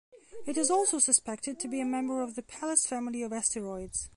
It is also suspected to be a member of the Pallas family of asteroids.